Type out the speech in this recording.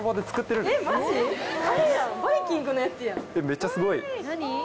めっちゃすごい。